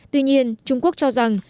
tuy nhiên trung quốc cho rằng